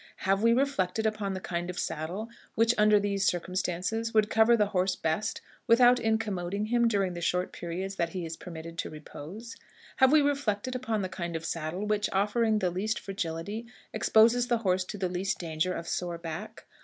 Have we reflected upon the kind of saddle which, under these circumstances, would cover the horse best without incommoding him during the short periods that he is permitted to repose? Have we reflected upon the kind of saddle which, offering the least fragility, exposes the horse to the least danger of sore back?